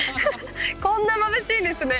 こんなまぶしいんですね。